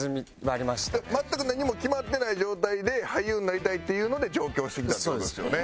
全く何も決まってない状態で俳優になりたいっていうので上京してきたって事ですよね。